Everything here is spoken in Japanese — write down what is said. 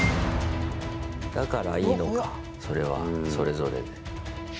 だから、いいのかそれは、それぞれで。